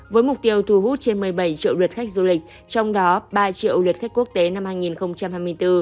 với mục tiêu thu hút trên một mươi bảy triệu lượt khách du lịch trong đó ba triệu lượt khách quốc tế năm hai nghìn hai mươi bốn